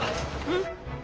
うん。